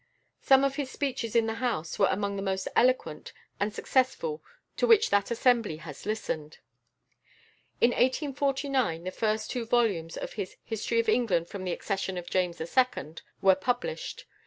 Some of his speeches in the House were among the most eloquent and successful to which that assembly has listened. In 1849 the first two volumes of his "History of England from the Accession of James II." were published.